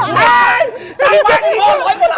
ตามาเช่นโกงโว้ย